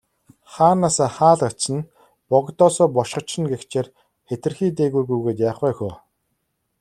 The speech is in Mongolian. Хаанаасаа хаалгач нь, богдоосоо бошгоч нь гэгчээр хэтэрхий дээгүүр гүйгээд яах вэ хөө.